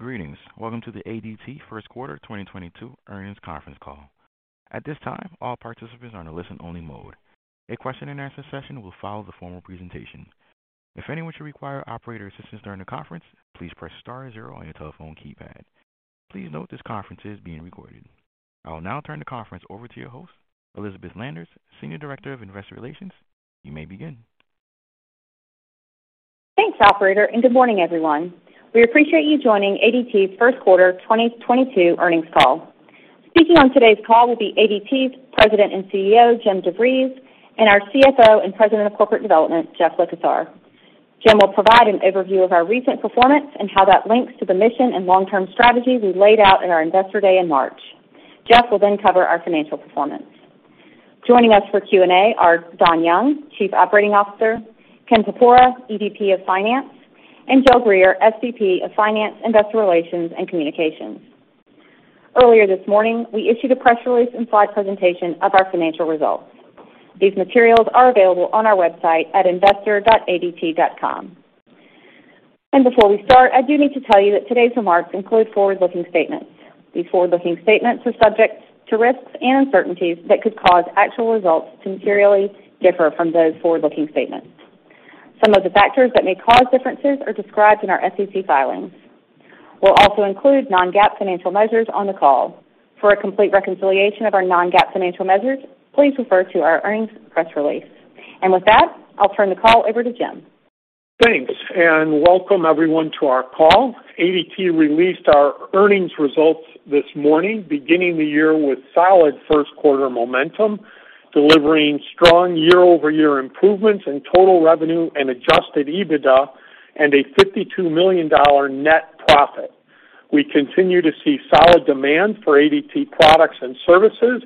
Greetings. Welcome to the ADT first quarter 2022 earnings conference call. At this time, all participants are in a listen-only mode. A question-and-answer session will follow the formal presentation. If anyone should require operator assistance during the conference, please press star zero on your telephone keypad. Please note this conference is being recorded. I will now turn the conference over to your host, Elizabeth Landers, Senior Director of Investor Relations. You may begin. Thanks, operator, and good morning, everyone. We appreciate you joining ADT's first quarter 2022 earnings call. Speaking on today's call will be ADT's President and CEO, Jim DeVries, and our CFO and President of Corporate Development, Jeff Likosar. Jim will provide an overview of our recent performance and how that links to the mission and long-term strategy we laid out in our Investor Day in March. Jeff will then cover our financial performance. Joining us for Q&A are Don Young, Chief Operating Officer, Ken Porpora, EVP of Finance, and Jill Greer, SVP of Finance, Investor Relations, and Communications. Earlier this morning, we issued a press release and slide presentation of our financial results. These materials are available on our website at investor.adt.com. Before we start, I do need to tell you that today's remarks include forward-looking statements. These forward-looking statements are subject to risks and uncertainties that could cause actual results to materially differ from those forward-looking statements. Some of the factors that may cause differences are described in our SEC filings. We'll also include non-GAAP financial measures on the call. For a complete reconciliation of our non-GAAP financial measures, please refer to our earnings press release. With that, I'll turn the call over to Jim. Thanks, welcome everyone to our call. ADT released our earnings results this morning, beginning the year with solid first quarter momentum, delivering strong year-over-year improvements in total revenue and adjusted EBITDA and a $52 million net profit. We continue to see solid demand for ADT products and services,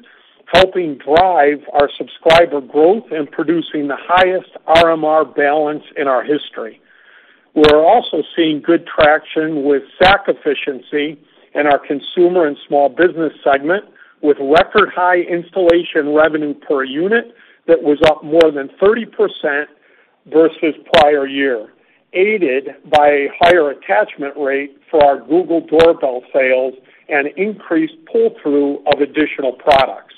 helping drive our subscriber growth and producing the highest RMR balance in our history. We're also seeing good traction with SAC efficiency in our consumer and small business segment, with record high installation revenue per unit that was up more than 30% versus prior year, aided by a higher attachment rate for our Google Doorbell sales and increased pull-through of additional products.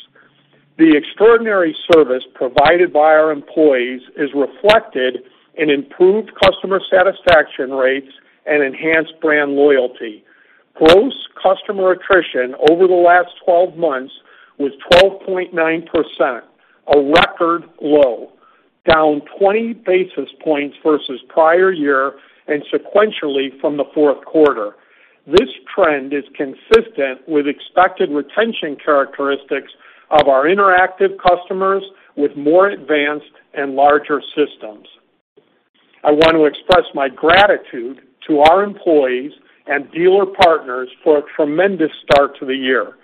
The extraordinary service provided by our employees is reflected in improved customer satisfaction rates and enhanced brand loyalty. Gross customer attrition over the last 12 months was 12.9%, a record low, down 20 basis points versus prior year and sequentially from the fourth quarter. This trend is consistent with expected retention characteristics of our interactive customers with more advanced and larger systems. I want to express my gratitude to our employees and dealer partners for a tremendous start to the year.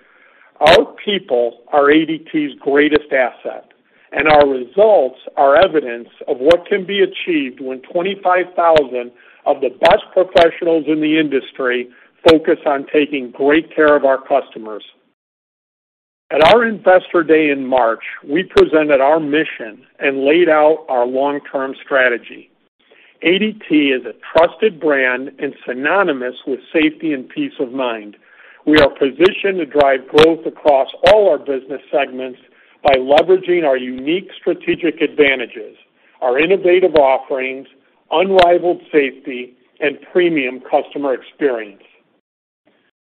Our people are ADT's greatest asset, and our results are evidence of what can be achieved when 25,000 of the best professionals in the industry focus on taking great care of our customers. At our Investor Day in March, we presented our mission and laid out our long-term strategy. ADT is a trusted brand and synonymous with safety and peace of mind. We are positioned to drive growth across all our business segments by leveraging our unique strategic advantages, our innovative offerings, unrivaled safety, and premium customer experience.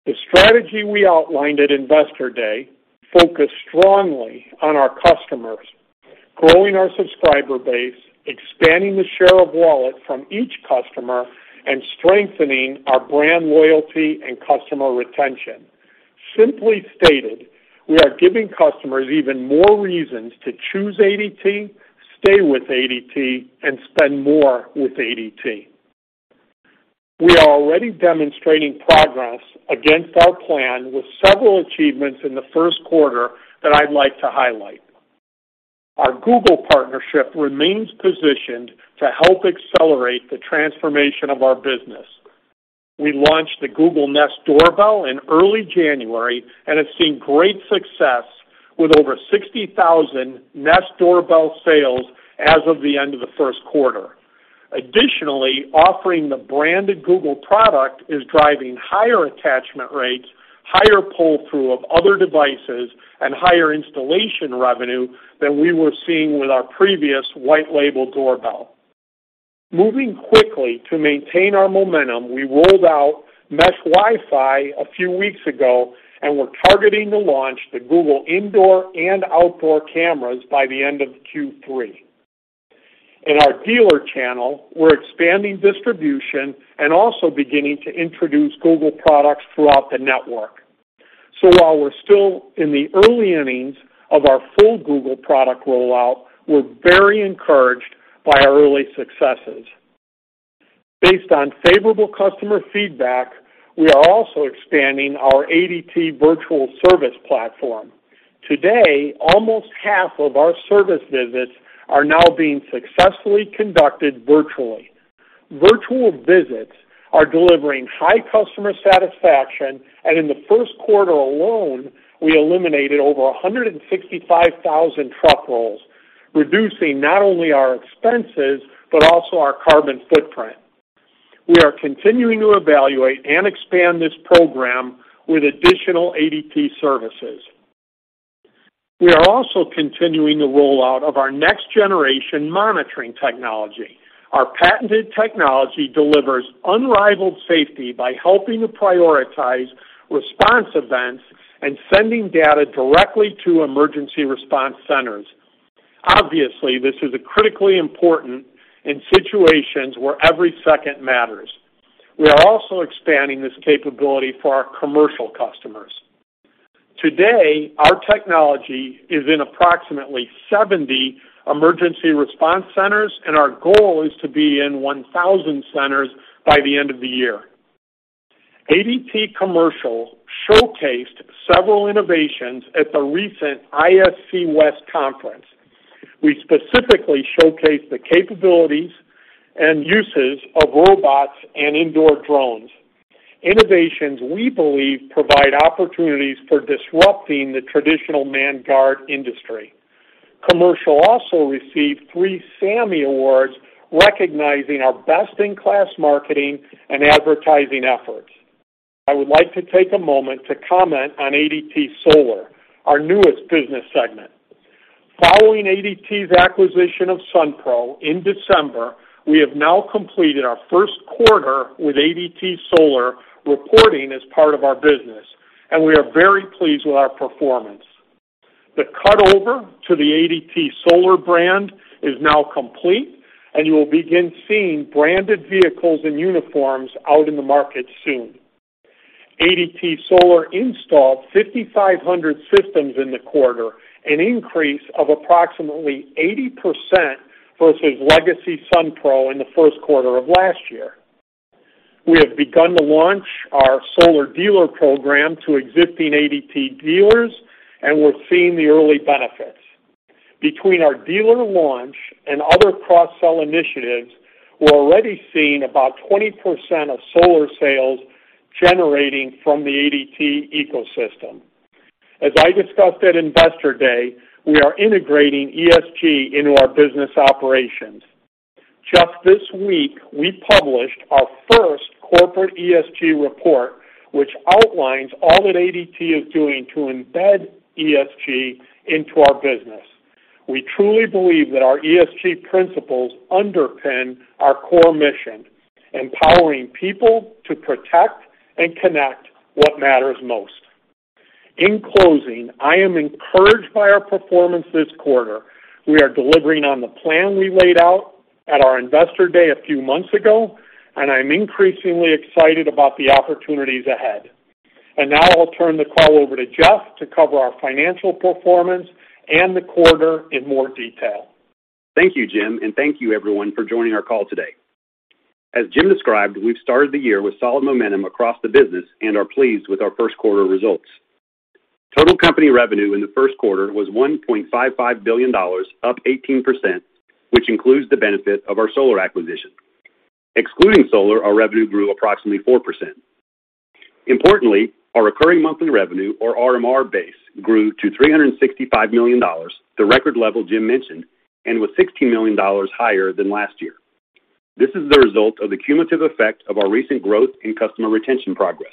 The strategy we outlined at Investor Day focused strongly on our customers, growing our subscriber base, expanding the share of wallet from each customer, and strengthening our brand loyalty and customer retention. Simply stated, we are giving customers even more reasons to choose ADT, stay with ADT, and spend more with ADT. We are already demonstrating progress against our plan with several achievements in the first quarter that I'd like to highlight. Our Google partnership remains positioned to help accelerate the transformation of our business. We launched the Google Nest Doorbell in early January and have seen great success with over 60,000 Nest Doorbell sales as of the end of the first quarter. Additionally, offering the branded Google product is driving higher attachment rates, higher pull-through of other devices, and higher installation revenue than we were seeing with our previous white-label doorbell. Moving quickly to maintain our momentum, we rolled out Mesh Wi-Fi a few weeks ago, and we're targeting the launch to Google indoor and outdoor cameras by the end of Q3. In our dealer channel, we're expanding distribution and also beginning to introduce Google products throughout the network. While we're still in the early innings of our full Google product rollout, we're very encouraged by our early successes. Based on favorable customer feedback, we are also expanding our ADT virtual service platform. Today, almost half of our service visits are now being successfully conducted virtually. Virtual visits are delivering high customer satisfaction, and in the first quarter alone, we eliminated over 165,000 truck rolls, reducing not only our expenses, but also our carbon footprint. We are continuing to evaluate and expand this program with additional ADT services. We are also continuing the rollout of our next generation monitoring technology. Our patented technology delivers unrivaled safety by helping to prioritize response events and sending data directly to emergency response centers. Obviously, this is critically important in situations where every second matters. We are also expanding this capability for our commercial customers. Today, our technology is in approximately 70 emergency response centers, and our goal is to be in 1,000 centers by the end of the year. ADT Commercial showcased several innovations at the recent ISC West Conference. We specifically showcased the capabilities and uses of robots and indoor drones, innovations we believe provide opportunities for disrupting the traditional manned guard industry. Commercial also received three SAMMY awards recognizing our best-in-class marketing and advertising efforts. I would like to take a moment to comment on ADT Solar, our newest business segment. Following ADT's acquisition of Sunpro Solar in December, we have now completed our first quarter with ADT Solar reporting as part of our business, and we are very pleased with our performance. The cutover to the ADT Solar brand is now complete, and you will begin seeing branded vehicles and uniforms out in the market soon. ADT Solar installed 5,500 systems in the quarter, an increase of approximately 80% versus legacy Sunpro Solar in the first quarter of last year. We have begun to launch our solar dealer program to existing ADT dealers, and we're seeing the early benefits. Between our dealer launch and other cross-sell initiatives, we're already seeing about 20% of solar sales generating from the ADT ecosystem. As I discussed at Investor Day, we are integrating ESG into our business operations. Just this week, we published our first corporate ESG report, which outlines all that ADT is doing to embed ESG into our business. We truly believe that our ESG principles underpin our core mission: empowering people to protect and connect what matters most. In closing, I am encouraged by our performance this quarter. We are delivering on the plan we laid out at our Investor Day a few months ago, and I'm increasingly excited about the opportunities ahead. Now I'll turn the call over to Jeff to cover our financial performance and the quarter in more detail. Thank you, Jim, and thank you everyone for joining our call today. As Jim described, we've started the year with solid momentum across the business and are pleased with our first quarter results. Total company revenue in the first quarter was $1.55 billion, up 18%, which includes the benefit of our solar acquisition. Excluding solar, our revenue grew approximately 4%. Importantly, our recurring monthly revenue, or RMR base, grew to $365 million, the record level Jim mentioned, and was $60 million higher than last year. This is the result of the cumulative effect of our recent growth and customer retention progress.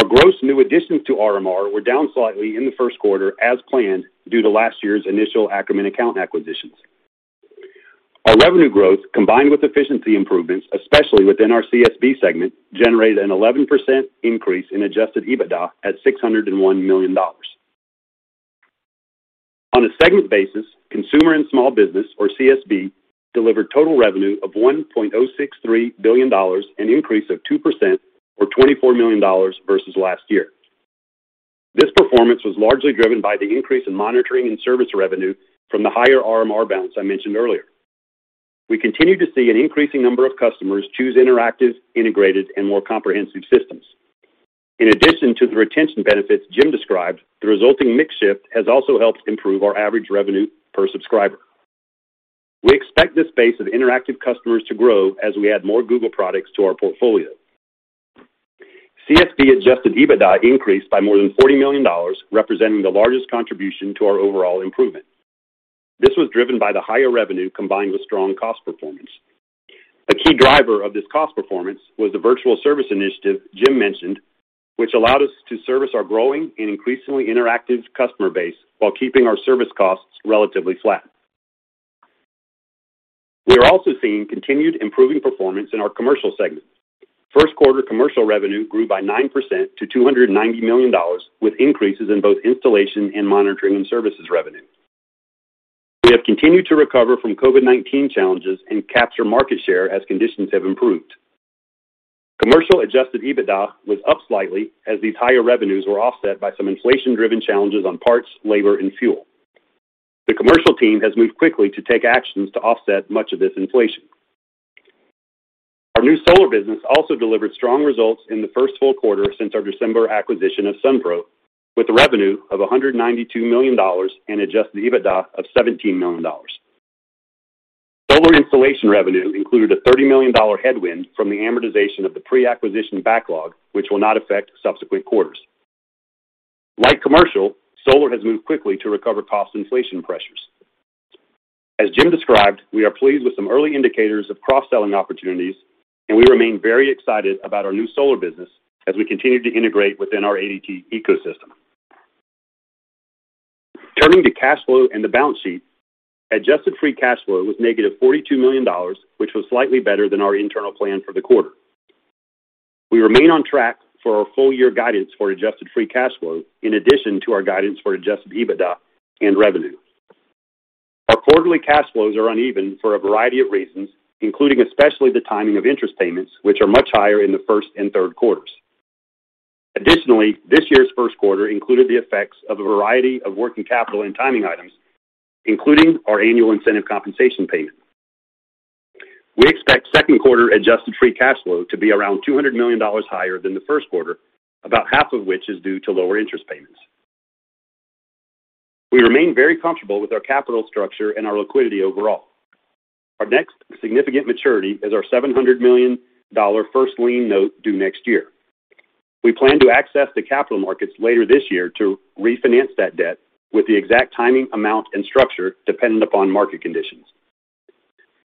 Our gross new additions to RMR were down slightly in the first quarter as planned due to last year's initial Ackerman account acquisitions. Our revenue growth, combined with efficiency improvements, especially within our CSB segment, generated an 11% increase in adjusted EBITDA at $601 million. On a segment basis, consumer and small business, or CSB, delivered total revenue of $1.063 billion, an increase of 2% or $24 million versus last year. This performance was largely driven by the increase in monitoring and service revenue from the higher RMR balance I mentioned earlier. We continue to see an increasing number of customers choose interactive, integrated, and more comprehensive systems. In addition to the retention benefits Jim described, the resulting mix shift has also helped improve our average revenue per subscriber. We expect this base of interactive customers to grow as we add more Google products to our portfolio. CSB adjusted EBITDA increased by more than $40 million, representing the largest contribution to our overall improvement. This was driven by the higher revenue combined with strong cost performance. A key driver of this cost performance was the virtual service initiative Jim mentioned, which allowed us to service our growing and increasingly interactive customer base while keeping our service costs relatively flat. We are also seeing continued improving performance in our commercial segment. First quarter commercial revenue grew by 9% to $290 million, with increases in both installation and monitoring and services revenue. We have continued to recover from COVID-19 challenges and capture market share as conditions have improved. Commercial adjusted EBITDA was up slightly as these higher revenues were offset by some inflation-driven challenges on parts, labor, and fuel. The commercial team has moved quickly to take actions to offset much of this inflation. Our new solar business also delivered strong results in the first full quarter since our December acquisition of Sunpro Solar, with revenue of $192 million and adjusted EBITDA of $17 million. Solar installation revenue included a $30 million headwind from the amortization of the pre-acquisition backlog, which will not affect subsequent quarters. Like commercial, solar has moved quickly to recover cost inflation pressures. As Jim described, we are pleased with some early indicators of cross-selling opportunities, and we remain very excited about our new solar business as we continue to integrate within our ADT ecosystem. Turning to cash flow and the balance sheet, adjusted free cash flow was negative $42 million, which was slightly better than our internal plan for the quarter. We remain on track for our full year guidance for adjusted free cash flow in addition to our guidance for adjusted EBITDA and revenue. Our quarterly cash flows are uneven for a variety of reasons, including especially the timing of interest payments, which are much higher in the first and third quarters. Additionally, this year's first quarter included the effects of a variety of working capital and timing items, including our annual incentive compensation payment. We expect second quarter adjusted free cash flow to be around $200 million higher than the first quarter, about half of which is due to lower interest payments. We remain very comfortable with our capital structure and our liquidity overall. Our next significant maturity is our $700 million first lien note due next year. We plan to access the capital markets later this year to refinance that debt with the exact timing, amount, and structure dependent upon market conditions.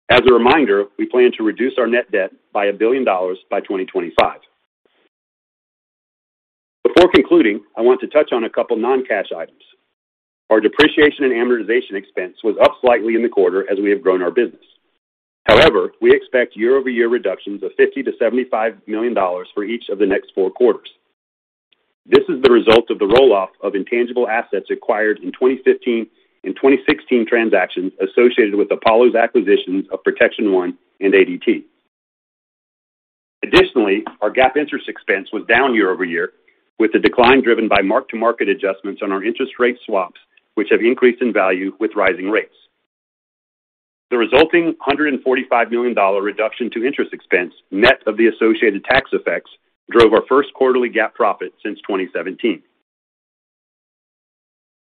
As a reminder, we plan to reduce our net debt by $1 billion by 2025. Before concluding, I want to touch on a couple non-cash items. Our depreciation and amortization expense was up slightly in the quarter as we have grown our business. However, we expect year-over-year reductions of $50 million-$75 million for each of the next four quarters. This is the result of the roll-off of intangible assets acquired in 2015 and 2016 transactions associated with Apollo's acquisitions of Protection 1 and ADT. Additionally, our GAAP interest expense was down year-over-year, with the decline driven by mark-to-market adjustments on our interest rate swaps, which have increased in value with rising rates. The resulting $145 million reduction to interest expense, net of the associated tax effects, drove our first quarterly GAAP profit since 2017.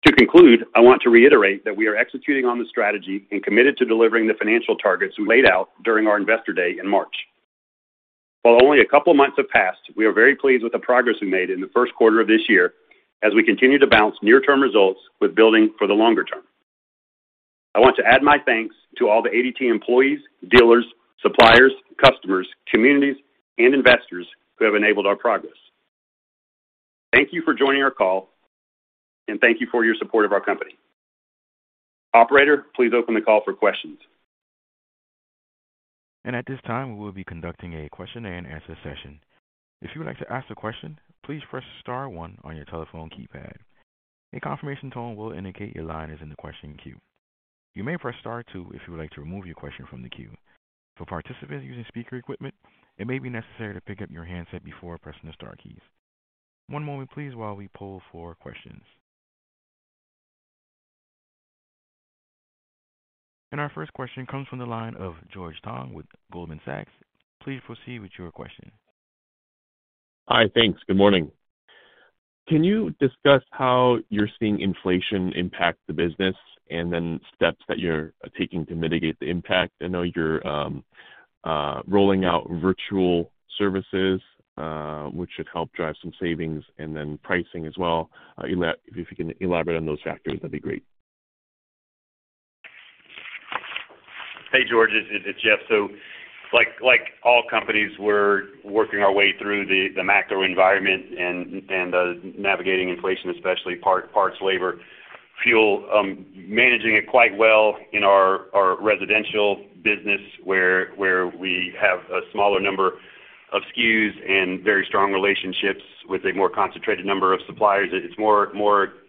To conclude, I want to reiterate that we are executing on the strategy and committed to delivering the financial targets we laid out during our Investor Day in March. While only a couple of months have passed, we are very pleased with the progress we made in the first quarter of this year as we continue to balance near-term results with building for the longer term. I want to add my thanks to all the ADT employees, dealers, suppliers, customers, communities, and investors who have enabled our progress. Thank you for joining our call, and thank you for your support of our company. Operator, please open the call for questions. At this time, we will be conducting a question-and-answer session. If you would like to ask a question, please press star one on your telephone keypad. A confirmation tone will indicate your line is in the questioning queue. You may press star two if you would like to remove your question from the queue. For participants using speaker equipment, it may be necessary to pick up your handset before pressing the star keys. One moment please while we poll for questions. Our first question comes from the line of George Tong with Goldman Sachs. Please proceed with your question. Hi. Thanks. Good morning. Can you discuss how you're seeing inflation impact the business and then steps that you're taking to mitigate the impact? I know you're rolling out virtual services, which should help drive some savings and then pricing as well. If you can elaborate on those factors, that'd be great. Hey, George, it's Jeff. Like all companies, we're working our way through the macro environment and navigating inflation, especially parts, labor, fuel, managing it quite well in our residential business where we have a smaller number of SKUs and very strong relationships with a more concentrated number of suppliers. It's more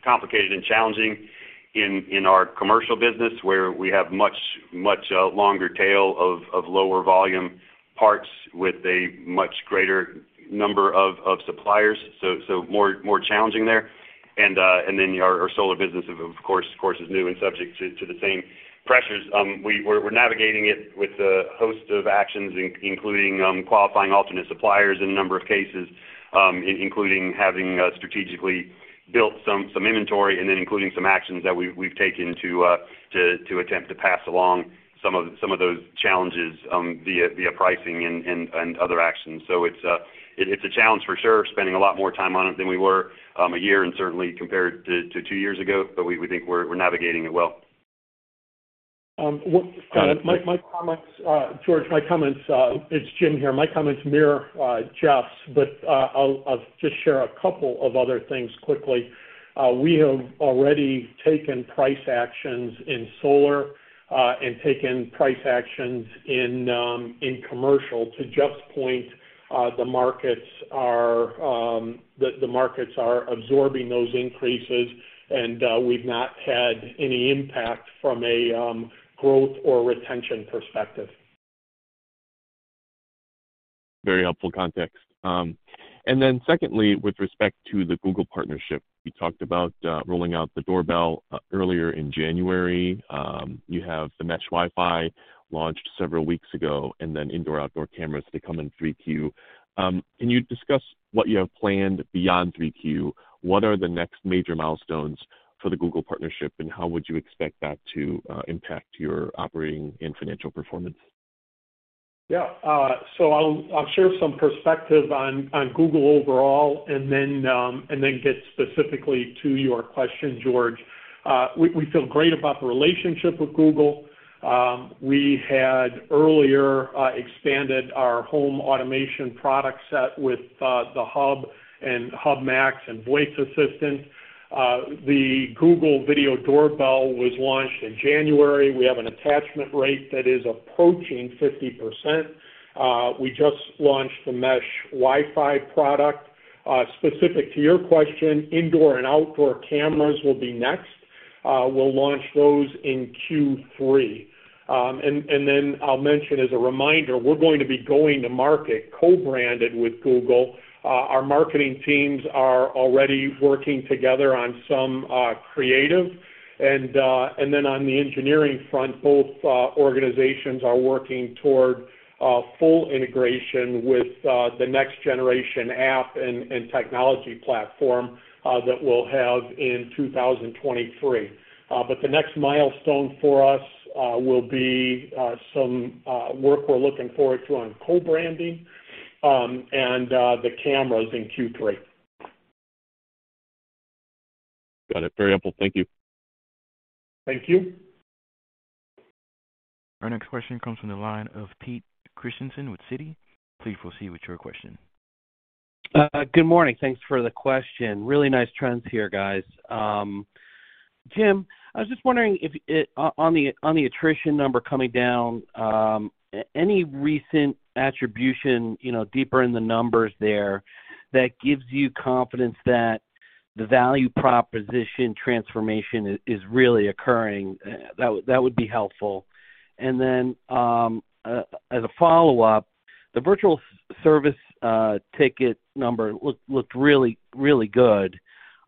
complicated and challenging in our commercial business where we have much longer tail of lower volume parts with a much greater number of suppliers. More challenging there. Our solar business, of course, is new and subject to the same pressures. We're navigating it with a host of actions, including qualifying alternate suppliers in a number of cases, including having strategically built some inventory and then including some actions that we've taken to attempt to pass along some of those challenges via pricing and other actions. It's a challenge for sure, spending a lot more time on it than we were a year and certainly compared to two years ago. We think we're navigating it well. My comments, George, it's Jim here. My comments mirror Jeff's, but I'll just share a couple of other things quickly. We have already taken price actions in Solar and taken price actions in Commercial. To Jeff's point, the markets are absorbing those increases, and we've not had any impact from a growth or retention perspective. Very helpful context. Secondly, with respect to the Google partnership, you talked about rolling out the doorbell earlier in January. You have the Mesh Wi-Fi launched several weeks ago, and then indoor-outdoor cameras to come in 3Q. Can you discuss what you have planned beyond 3Q? What are the next major milestones for the Google partnership, and how would you expect that to impact your operating and financial performance? I'll share some perspective on Google overall and then get specifically to your question, George. We feel great about the relationship with Google. We had earlier expanded our home automation product set with the Hub and Hub Max and Voice Assistant. The Google Nest Doorbell was launched in January. We have an attachment rate that is approaching 50%. We just launched the Mesh Wi-Fi product. Specific to your question, indoor and outdoor cameras will be next. We'll launch those in Q3. Then I'll mention as a reminder, we're going to be going to market co-branded with Google. Our marketing teams are already working together on some creative. Then on the engineering front, both organizations are working toward full integration with the next generation app and technology platform that we'll have in 2023. The next milestone for us will be some work we're looking forward to on co-branding and the cameras in Q3. Got it. Very helpful. Thank you. Thank you. Our next question comes from the line of Peter Christiansen with Citi. Please proceed with your question. Good morning. Thanks for the question. Really nice trends here, guys. Tim, I was just wondering if on the attrition number coming down, any recent attribution, you know, deeper in the numbers there that gives you confidence that the value proposition transformation is really occurring? That would be helpful. As a follow-up, the virtual service ticket number looked really good,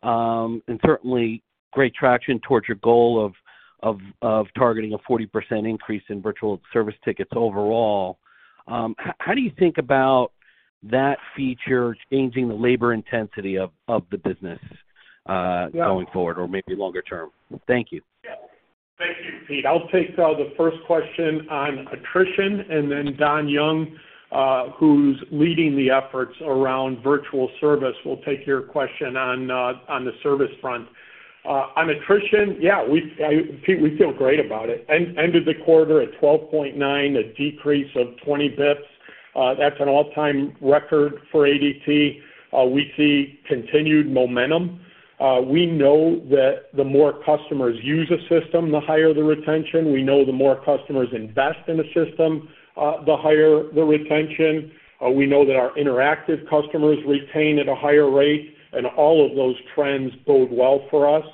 and certainly great traction towards your goal of targeting a 40% increase in virtual service tickets overall. How do you think about that feature changing the labor intensity of the business? Yeah. going forward or maybe longer term? Thank you. Yeah. Thank you, Pete. I'll take the first question on attrition, and then Don Young, who's leading the efforts around virtual service will take your question on the service front. On attrition, yeah, Pete, we feel great about it. Ended the quarter at 12.9, a decrease of 20 basis points. That's an all-time record for ADT. We see continued momentum. We know that the more customers use a system, the higher the retention. We know the more customers invest in a system, the higher the retention. We know that our interactive customers retain at a higher rate, and all of those trends bode well for us.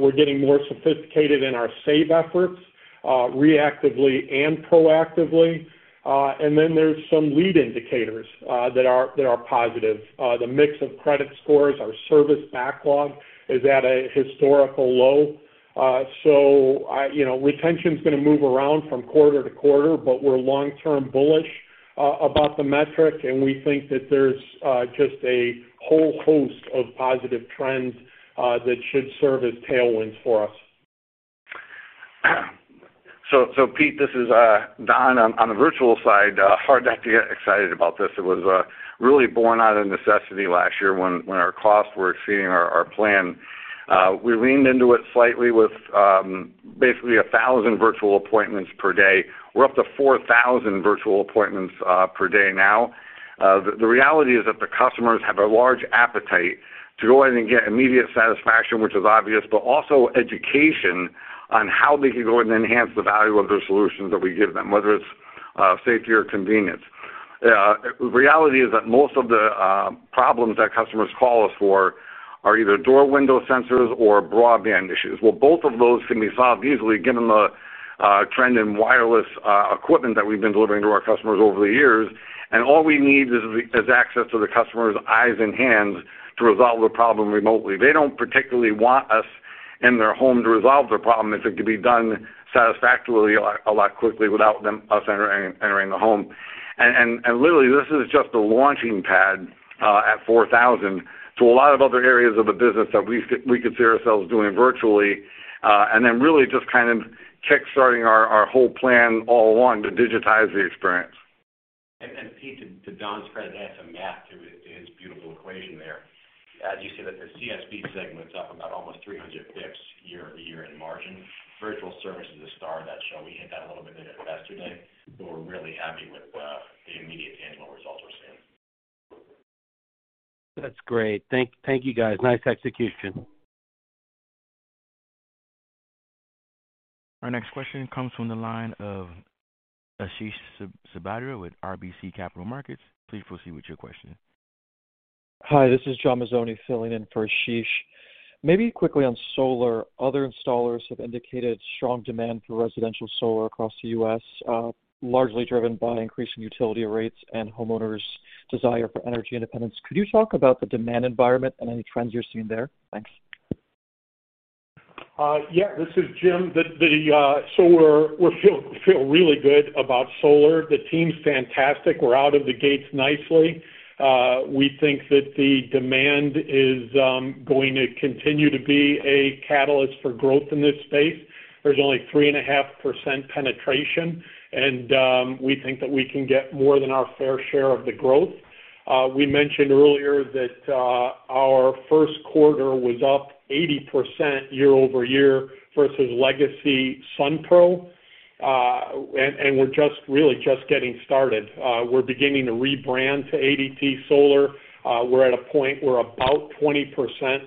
We're getting more sophisticated in our save efforts, reactively and proactively. And then there's some leading indicators that are positive. The mix of credit scores, our service backlog is at a historical low. You know, retention's gonna move around from quarter to quarter, but we're long-term bullish about the metric, and we think that there's just a whole host of positive trends that should serve as tailwinds for us. Pete, this is Don on the virtual side. Hard not to get excited about this. It was really born out of necessity last year when our costs were exceeding our plan. We leaned into it slightly with basically 1,000 virtual appointments per day. We're up to 4,000 virtual appointments per day now. The reality is that the customers have a large appetite to go in and get immediate satisfaction, which is obvious, but also education on how they can go and enhance the value of the solutions that we give them, whether it's safety or convenience. Reality is that most of the problems that customers call us for are either door/window sensors or broadband issues. Well, both of those can be solved easily given the trend in wireless equipment that we've been delivering to our customers over the years. All we need is access to the customer's eyes and hands to resolve the problem remotely. They don't particularly want us in their home to resolve the problem if it can be done satisfactorily a lot quickly without us entering the home. Literally, this is just the launching pad at 4,000 to a lot of other areas of the business that we could see ourselves doing virtually, and then really just kind of kickstarting our whole plan all along to digitize the experience. Pete, to Don's credit, to add some math to his beautiful equation there. As you see, the CSB segment's up about almost 300 basis points year-over-year in margin. Virtual service is the star of that show. We hit that a little bit with investors today, but we're really happy with the immediate tangible results we're seeing. That's great. Thank you guys. Nice execution. Our next question comes from the line of Ashish Sabadra with RBC Capital Markets. Please proceed with your question. Hi, this is John Mazzoni filling in for Ashish. Maybe quickly on solar. Other installers have indicated strong demand for residential solar across the U.S., largely driven by increasing utility rates and homeowners' desire for energy independence. Could you talk about the demand environment and any trends you're seeing there? Thanks. Yeah, this is Jim. We feel really good about solar. The team's fantastic. We're out of the gates nicely. We think that the demand is going to continue to be a catalyst for growth in this space. There's only 3.5% penetration, and we think that we can get more than our fair share of the growth. We mentioned earlier that our first quarter was up 80% year over year versus legacy Sunpro. And we're just really getting started. We're beginning to rebrand to ADT Solar. We're at a point where about 20%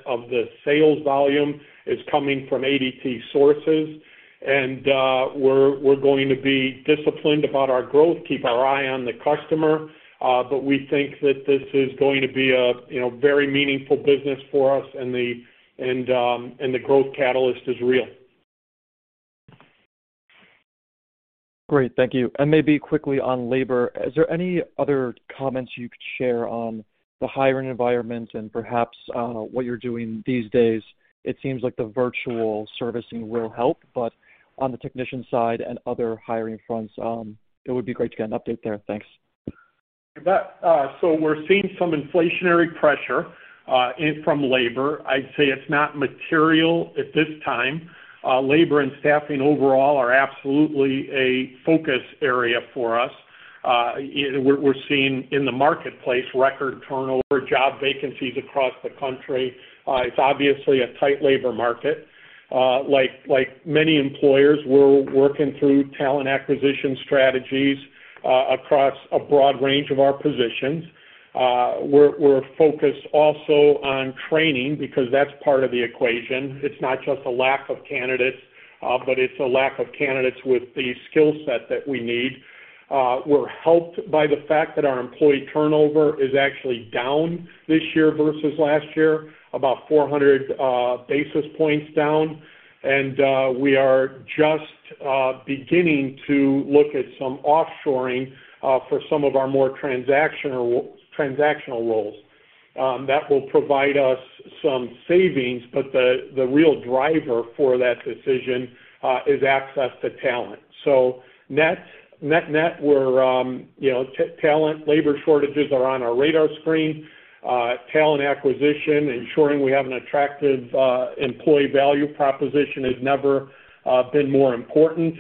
of the sales volume is coming from ADT sources. We're going to be disciplined about our growth, keep our eye on the customer, but we think that this is going to be a, you know, very meaningful business for us and the growth catalyst is real. Great. Thank you. Maybe quickly on labor. Is there any other comments you could share on the hiring environment and perhaps, what you're doing these days? It seems like the virtual servicing will help, but on the technician side and other hiring fronts, it would be great to get an update there. Thanks. You bet. We're seeing some inflationary pressure from labor. I'd say it's not material at this time. Labor and staffing overall are absolutely a focus area for us. We're seeing in the marketplace record turnover, job vacancies across the country. It's obviously a tight labor market. Like many employers, we're working through talent acquisition strategies across a broad range of our positions. We're focused also on training because that's part of the equation. It's not just a lack of candidates, but it's a lack of candidates with the skill set that we need. We're helped by the fact that our employee turnover is actually down this year versus last year, about 400 basis points down. We are just beginning to look at some offshoring for some of our more transactional roles. That will provide us some savings, but the real driver for that decision is access to talent. Net, we're you know, talent labor shortages are on our radar screen. Talent acquisition, ensuring we have an attractive employee value proposition has never been more important.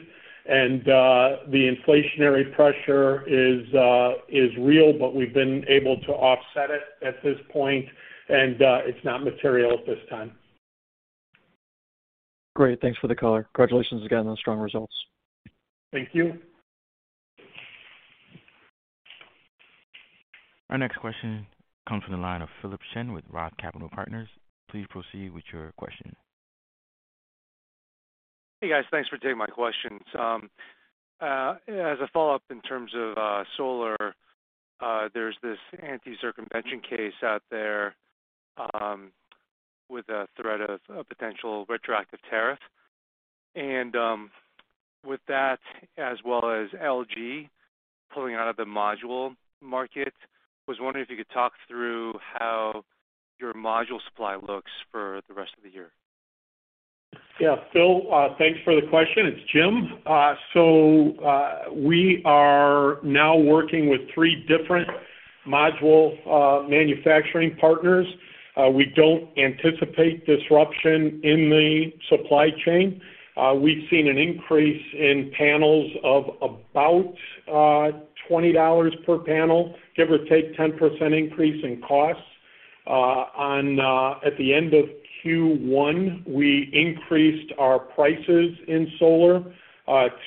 The inflationary pressure is real, but we've been able to offset it at this point, and it's not material at this time. Great. Thanks for the color. Congratulations again on the strong results. Thank you. Our next question comes from the line of Philip Shen with Roth Capital Partners. Please proceed with your question. Hey, guys. Thanks for taking my questions. As a follow-up in terms of solar, there's this anti-circumvention case out there, with the threat of a potential retroactive tariff. With that, as well as LG pulling out of the module market, I was wondering if you could talk through how your module supply looks for the rest of the year. Yeah. Phil, thanks for the question. It's Jim. We are now working with three different module manufacturing partners. We don't anticipate disruption in the supply chain. We've seen an increase in panels of about $20 per panel, give or take 10% increase in costs. At the end of Q1, we increased our prices in solar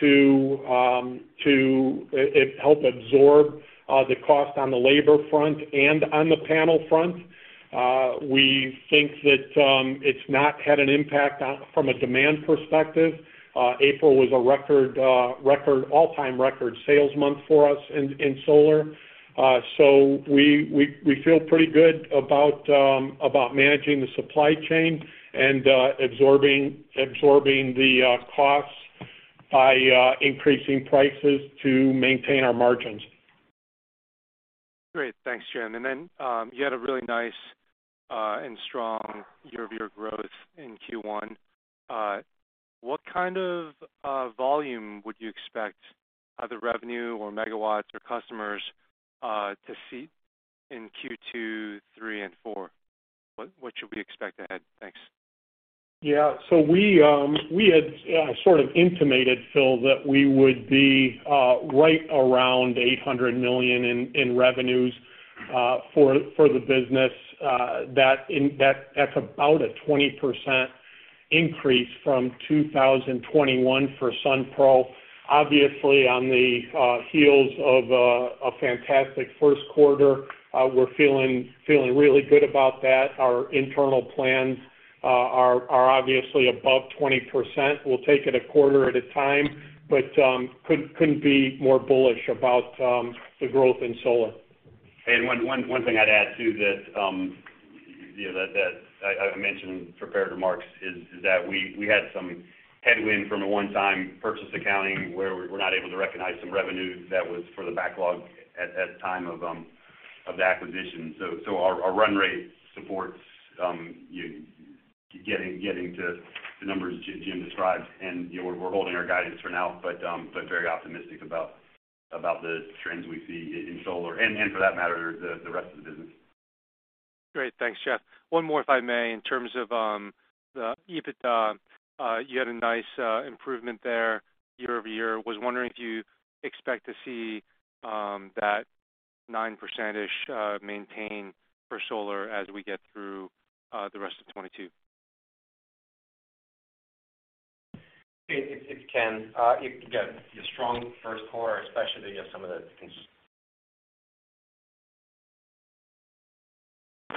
to help absorb the cost on the labor front and on the panel front. We think that it's not had an impact from a demand perspective. April was a record all-time record sales month for us in solar. We feel pretty good about managing the supply chain and absorbing the costs by increasing prices to maintain our margins. Great. Thanks, Jim. You had a really nice and strong year-over-year growth in Q1. What kind of volume would you expect, either revenue or megawatts or customers, to see in Q2, three, and four? What should we expect ahead? Thanks. Yeah. We had sort of intimated, Phil, that we would be right around $800 million in revenues for the business. That's about a 20% increase from 2021 for Sunpro. Obviously, on the heels of a fantastic first quarter, we're feeling really good about that. Our internal plans are obviously above 20%. We'll take it a quarter at a time, but couldn't be more bullish about the growth in solar. One thing I'd add to that, you know, that I mentioned in prepared remarks is that we had some headwind from a one-time purchase accounting where we were not able to recognize some revenue that was for the backlog at the time of. Of the acquisition. Our run rate supports, you know, getting to the numbers Jim described. You know, we're holding our guidance for now, but very optimistic about the trends we see in solar and, for that matter, the rest of the business. Great. Thanks, Jeff. One more if I may. In terms of the EBITDA, you had a nice improvement there year-over-year. Was wondering if you expect to see that 9%-ish maintain for solar as we get through the rest of 2022? It can. You got a strong first quarter, especially some of the.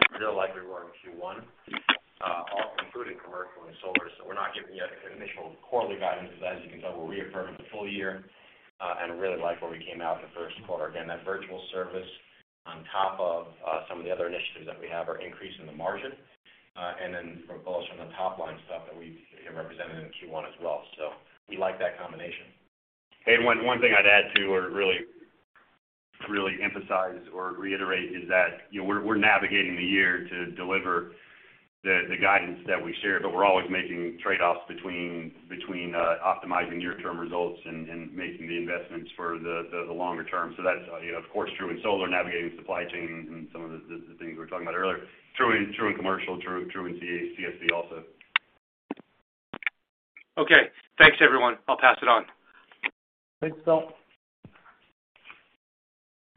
That's likely where we are in Q1, all including commercial and solar. We're not yet giving initial quarterly guidance because as you can tell, we're reaffirming the full year and really like where we came out in the first quarter. Again, that virtual service on top of some of the other initiatives that we have are increasing the margin and then from both the top line stuff that we have represented in Q1 as well. We like that combination. One thing I'd add too or really emphasize or reiterate is that, you know, we're navigating the year to deliver the guidance that we shared, but we're always making trade-offs between optimizing near-term results and making the investments for the longer term. That's, you know, of course true in solar, navigating supply chain and some of the things we were talking about earlier. True in commercial, true in CSB also. Okay, thanks everyone. I'll pass it on. Thanks, Phil.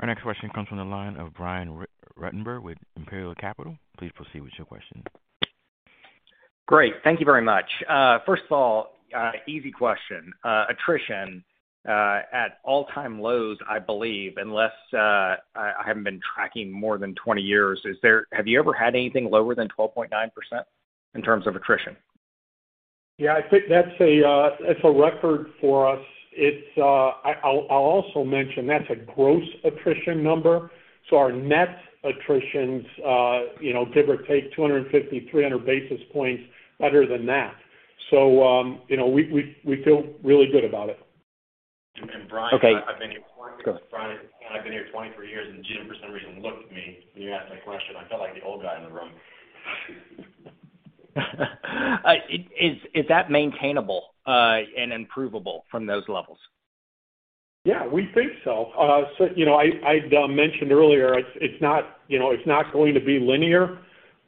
Our next question comes from the line of Brian Ruttenbur with Imperial Capital. Please proceed with your question. Great. Thank you very much. First of all, easy question. Attrition at all-time lows, I believe, unless I haven't been tracking more than 20 years. Have you ever had anything lower than 12.9% in terms of attrition? Yeah, I think that's a record for us. I'll also mention that's a gross attrition number. Our net attritions, you know, give or take 250, 300 basis points better than that. You know, we feel really good about it. Okay. Brian, I've been here 23 years, and Jim, for some reason, looked at me when you asked that question. I felt like the old guy in the room. Is that maintainable, and improvable from those levels? Yeah, we think so. You know, I'd mentioned earlier it's not going to be linear,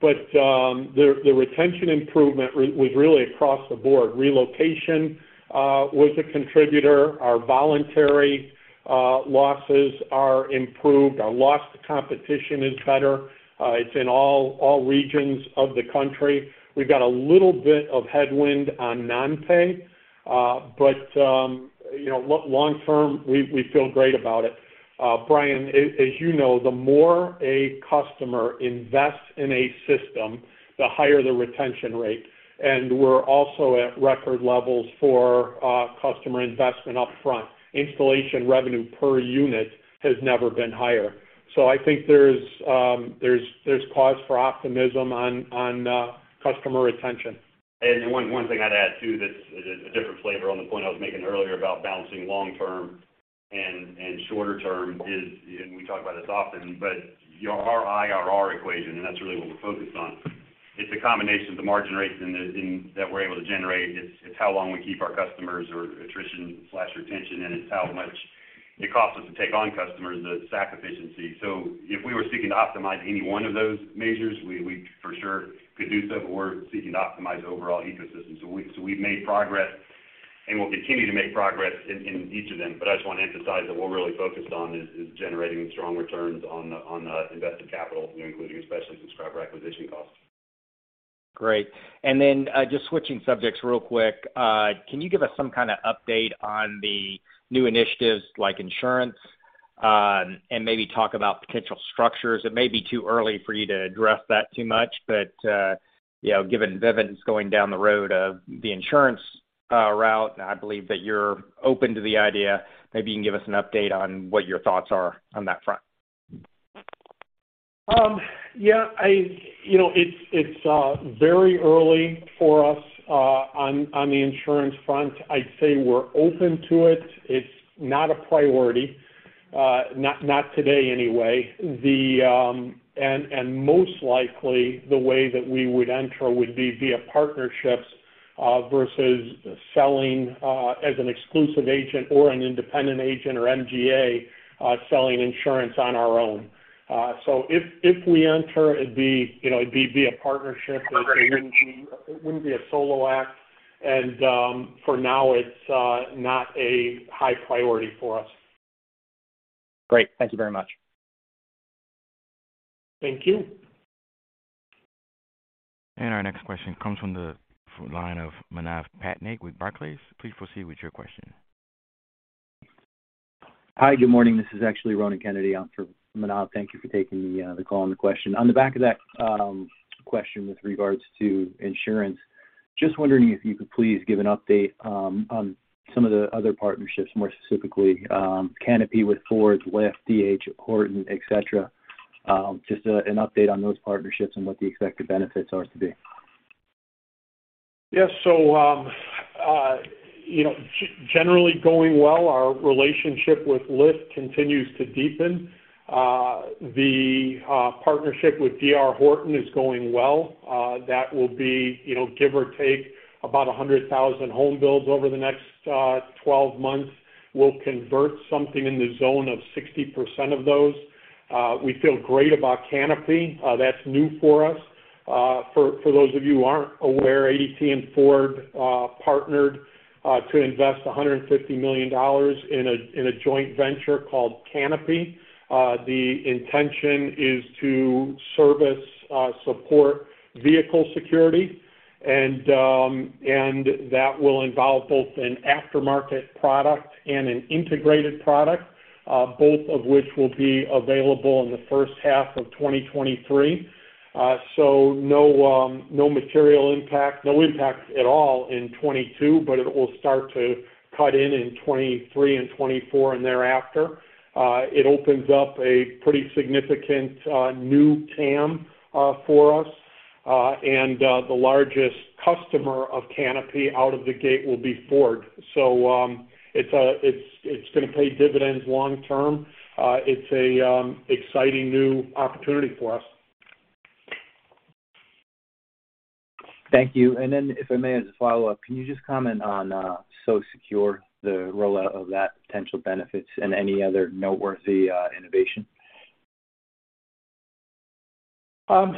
but the retention improvement was really across the board. Relocation was a contributor. Our voluntary losses are improved. Our loss to competition is better. It's in all regions of the country. We've got a little bit of headwind on non-pay, but you know, long term, we feel great about it. Brian, as you know, the more a customer invests in a system, the higher the retention rate. We're also at record levels for customer investment up front. Installation revenue per unit has never been higher. I think there's cause for optimism on customer retention. One thing I'd add too that's a different flavor on the point I was making earlier about balancing long term and shorter term is, and we talk about this often, but our IRR equation, and that's really what we're focused on, it's a combination of the margin rates and that we're able to generate. It's how long we keep our customers or attrition/retention, and it's how much it costs us to take on customers, the SAC efficiency. If we were seeking to optimize any one of those measures, we for sure could do so, but we're seeking to optimize overall ecosystem. We've made progress, and we'll continue to make progress in each of them. I just wanna emphasize that what we're really focused on is generating strong returns on invested capital, you know, including especially subscriber acquisition costs. Great. Just switching subjects real quick. Can you give us some kinda update on the new initiatives like insurance, and maybe talk about potential structures? It may be too early for you to address that too much, but you know, given Vivint is going down the road of the insurance route, and I believe that you're open to the idea, maybe you can give us an update on what your thoughts are on that front. You know, it's very early for us on the insurance front. I'd say we're open to it. It's not a priority, not today anyway. Most likely, the way that we would enter would be via partnerships versus selling as an exclusive agent or an independent agent or MGA, selling insurance on our own. So if we enter, it'd be via partnership. It wouldn't be a solo act. For now, it's not a high priority for us. Great. Thank you very much. Thank you. Our next question comes from the line of Manav Patnaik with Barclays. Please proceed with your question. Hi, good morning. This is actually Ronan Kennedy on for Manav Patnaik. Thank you for taking the call and the question. On the back of that question with regards to insurance, just wondering if you could please give an update on some of the other partnerships, more specifically, Canopy with Ford, Lyft, D.R. Horton, et cetera. Just an update on those partnerships and what the expected benefits are to be. Yes. You know, generally going well. Our relationship with Lyft continues to deepen. The partnership with D.R. Horton is going well. That will be, you know, give or take about 100,000 home builds over the next 12 months. We'll convert something in the zone of 60% of those. We feel great about Canopy. That's new for us. For those of you who aren't aware, ADT and Ford partnered to invest $150 million in a joint venture called Canopy. The intention is to service and support vehicle security, and that will involve both an aftermarket product and an integrated product, both of which will be available in the first half of 2023. No material impact, no impact at all in 2022, but it will start to cut in in 2023 and 2024 and thereafter. It opens up a pretty significant new TAM for us. The largest customer of Canopy out of the gate will be Ford. It's gonna pay dividends long term. It's an exciting new opportunity for us. Thank you. If I may, as a follow-up, can you just comment on SoSecure, the rollout of that, potential benefits and any other noteworthy innovation? I'll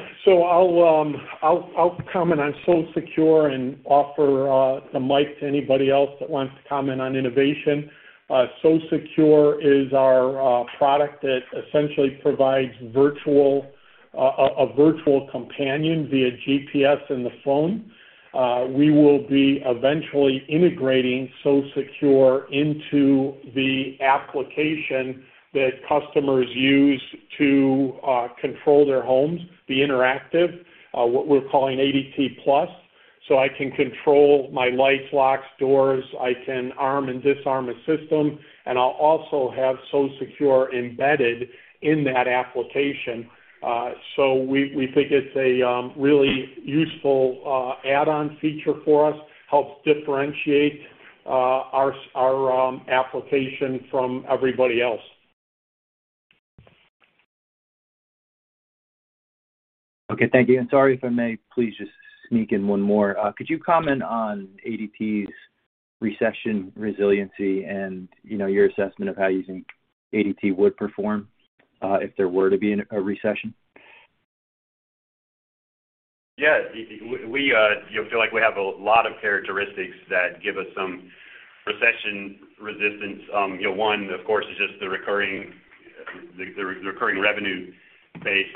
comment on SoSecure and offer the mic to anybody else that wants to comment on innovation. SoSecure is our product that essentially provides a virtual companion via GPS in the phone. We will be eventually integrating SoSecure into the application that customers use to control their homes, be interactive, what we're calling ADT Plus. I can control my lights, locks, doors, I can arm and disarm a system, and I'll also have SoSecure embedded in that application. We think it's a really useful add-on feature for us. Helps differentiate our application from everybody else. Okay. Thank you. Sorry if I may please just sneak in one more. Could you comment on ADT's recession resiliency and, you know, your assessment of how you think ADT would perform, if there were to be a recession? Yeah. We, you know, feel like we have a lot of characteristics that give us some recession resistance. You know, one, of course, is just the recurring revenue base.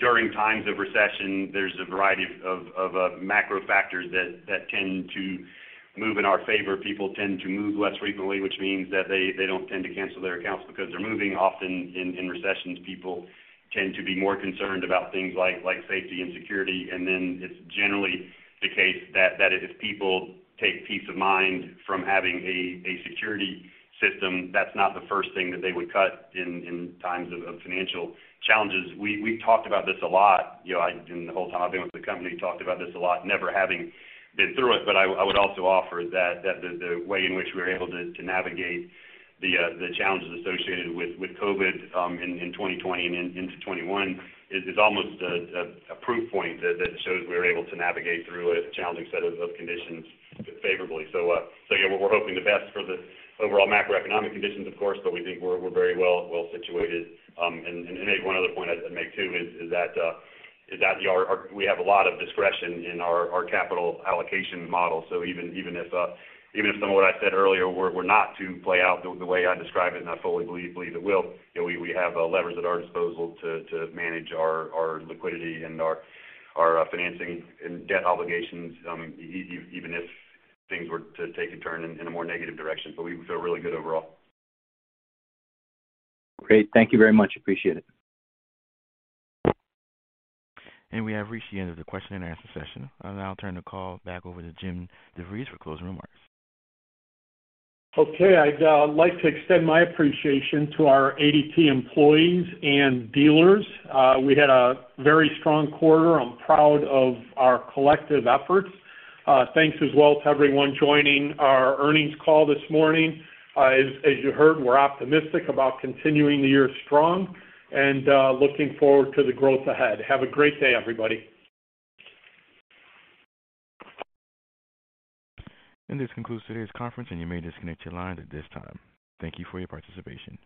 During times of recession, there's a variety of macro factors that tend to move in our favor. People tend to move less frequently, which means that they don't tend to cancel their accounts because they're moving. Often in recessions, people tend to be more concerned about things like safety and security. Then it's generally the case that if people take peace of mind from having a security system, that's not the first thing that they would cut in times of financial challenges. We've talked about this a lot. You know, in the whole time I've been with the company, talked about this a lot, never having been through it, but I would also offer that the way in which we were able to navigate the challenges associated with COVID in 2020 and then into 2021 is almost a proof point that shows we're able to navigate through a challenging set of conditions favorably. Yeah, we're hoping the best for the overall macroeconomic conditions, of course, but we think we're very well situated. Maybe one other point I'd make too is that we have a lot of discretion in our capital allocation model. Even if some of what I said earlier were not to play out the way I describe it, and I fully believe it will, you know, we have levers at our disposal to manage our liquidity and our financing and debt obligations, even if things were to take a turn in a more negative direction. We feel really good overall. Great. Thank you very much. Appreciate it. We have reached the end of the question-and-answer session. I'll now turn the call back over to Jim DeVries for closing remarks. Okay. I'd like to extend my appreciation to our ADT employees and dealers. We had a very strong quarter. I'm proud of our collective efforts. Thanks as well to everyone joining our earnings call this morning. As you heard, we're optimistic about continuing the year strong and looking forward to the growth ahead. Have a great day, everybody. This concludes today's conference, and you may disconnect your line at this time. Thank you for your participation.